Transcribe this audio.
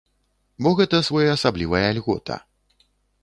Бо гэта своеасаблівая льгота.